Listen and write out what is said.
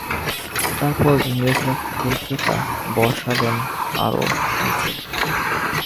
তার পর ইংরেজরা কলকেতা বসালেন আরও নীচে।